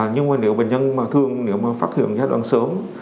nhưng mà nếu bệnh nhân thường phát hiện giai đoạn sớm